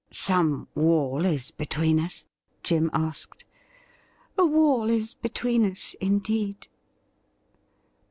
' Some wall is between us ?' Jim asked. ' A wall is between us indeed.'